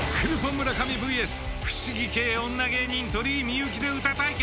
村上ｖｓ不思議系女芸人鳥居みゆきで歌対決。